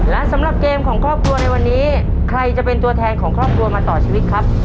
และสำหรับเกมของครอบครัวในวันนี้ใครจะเป็นตัวแทนของครอบครัวมาต่อชีวิตครับ